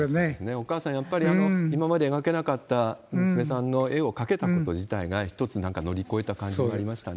お母さん、やっぱりね、今まで描けなかった娘さんの絵を描けたこと自体が、一つなんか乗り越えた感じがありましたね。